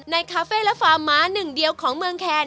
คาเฟ่และฟาร์มม้าหนึ่งเดียวของเมืองแคน